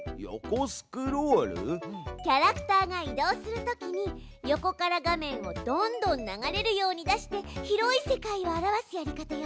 キャラクターが移動するときに横から画面をどんどん流れるように出して広い世界を表すやり方よ。